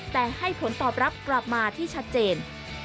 แต่ให้ผลตอบรับกลับมาที่ชัดเจน